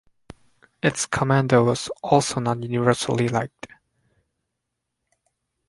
Its commander was also not universally liked.